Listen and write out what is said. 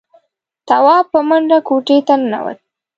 تواب په منډه کوټې ته ننوت.